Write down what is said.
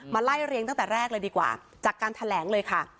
ไล่เรียงตั้งแต่แรกเลยดีกว่าจากการแถลงเลยค่ะ